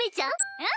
うん！